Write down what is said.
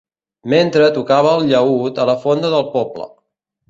Mentre tocava el llaüt a la fonda del poble.